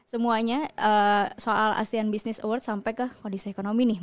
semuanya soal asean business award sampai ke kondisi ekonomi nih